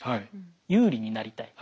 有利になりたい。